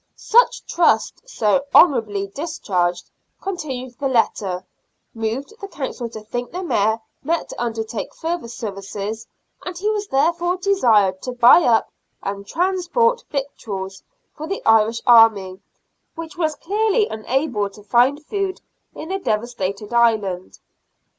Such trust, so honour ably discharged, continued the letter, moved the Council to think the Mayor meet to undertake further services, and he was therefore desired to buy up and transport victuals for the Irish army, which was clearly unable to find food in the devastated island.